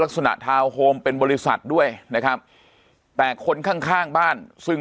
ทาวน์โฮมเป็นบริษัทด้วยนะครับแต่คนข้างข้างบ้านซึ่ง